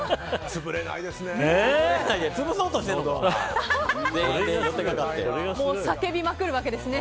潰れないですね。